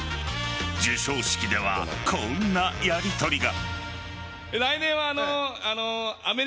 授賞式では、こんなやりとりが。